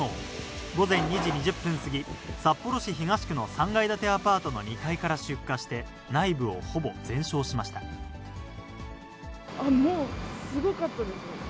午前２時２０分過ぎ、札幌市東区の３階建てアパートの２階から出もうすごかったです。